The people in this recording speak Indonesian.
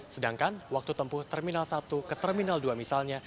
sedangkan waktu tempuh terminal satu ke terminal dua misalnya